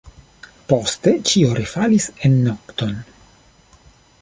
Poste ĉio refalis en nokton.